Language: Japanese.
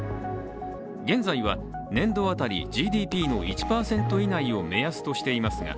現在は年度当たりＧＤＰの１％以内を目安としていますが